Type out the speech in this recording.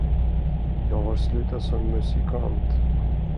Jag har slutat som musikant.